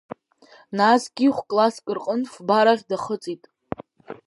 Насгьы хәкласск рҟынтә фба рахь дахыҵит.